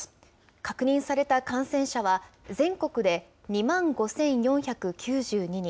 確認された感染者は、全国で２万５４９２人。